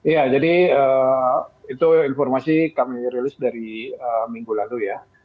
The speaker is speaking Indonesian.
ya jadi itu informasi kami rilis dari minggu lalu ya